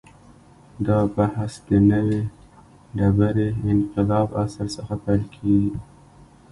دا بحث د نوې ډبرې انقلاب عصر څخه پیل کېږي.